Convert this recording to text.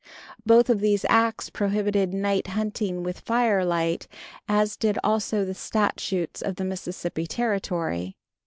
Both of these acts prohibited night hunting with fire light, as did also the Statutes of the Mississippi Territory.